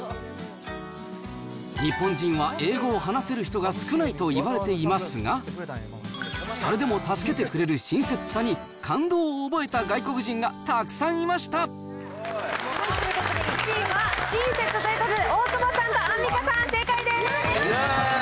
日本人は英語を話せる人が少ないといわれていますが、それでも助けてくれる親切さに感動を覚えた外国人がたくさんいまということで、１位は親切ということで、大久保さんとアンミカさん、正解です。